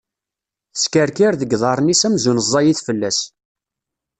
Teskerkir deg yiḍarren-is amzun ẓẓayit fell-as.